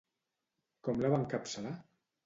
Com la va encapçalar?